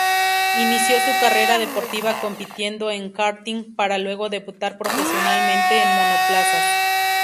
Inició su carrera deportiva compitiendo en karting, para luego debutar profesionalmente en monoplazas.